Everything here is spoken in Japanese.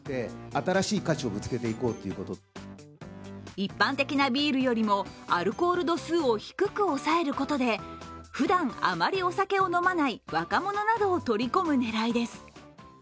一般的なビールよりもアルコール度数を低く抑えることでふだん、あまりお酒を飲まない若者などを取り込む狙いです。